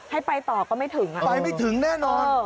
ให้ไปต่อก็ไม่ถึงอ่ะไปไม่ถึงแน่นอน